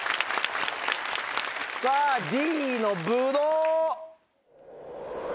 さぁＤのブドウ。